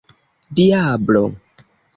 diablo